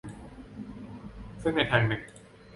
ซึ่งในทางหนึ่ง